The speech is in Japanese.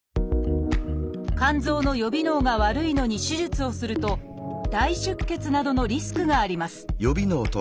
肝臓の予備能が悪いのに手術をすると大出血などのリスクがあります